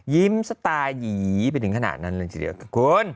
ยิ้มสตาหยีไปถึงขนาดนั้นเลยจริงคุณ